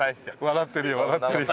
笑ってるよ笑ってるよ。